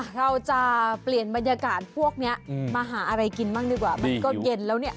เราจะเปลี่ยนบรรยากาศพวกนี้มาหาอะไรกินบ้างดีกว่ามันก็เย็นแล้วเนี่ย